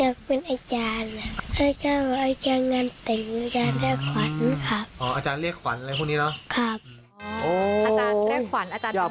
อยากเป็นอาจารย์อาจารย์งานติ่งอาจารย์เรียกขวัญครับ